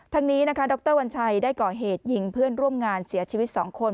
นี้นะคะดรวัญชัยได้ก่อเหตุยิงเพื่อนร่วมงานเสียชีวิต๒คน